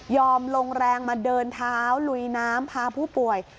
ลงแรงมาเดินเท้าลุยน้ำพาผู้ป่วย